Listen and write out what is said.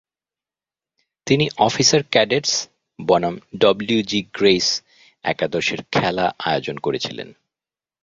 তিনি officer cadets বনাম W. G. Grace একাদশের খেলা আয়োজন করেছিলেন।